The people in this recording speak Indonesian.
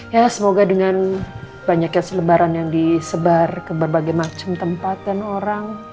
ya semoga dengan banyaknya selebaran yang disebar ke berbagai macam tempat dan orang